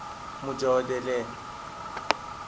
مجادله